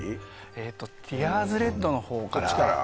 えとティアーズレッドの方からこっちから？